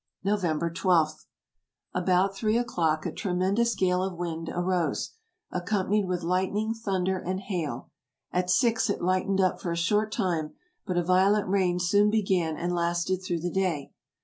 " November 12. — About three o'clock a tremendous gale of wind arose, accompanied with lightning, thunder, and hail ; at six it lightened up for a short time, but a violent rain soon began and lasted through the day.